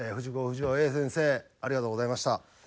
不二雄先生ありがとうございました。